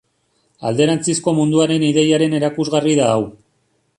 Alderantzizko munduaren ideiaren erakusgarri da hau.